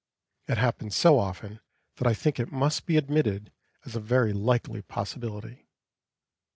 It happens so often that I think it must be admitted as a very likely possibility.